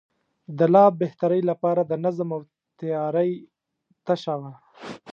د لا بهترۍ لپاره د نظم او تیارۍ تشه وه.